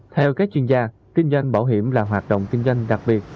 theo các chuyên gia kinh doanh bảo hiểm là hoạt động kinh doanh đặc biệt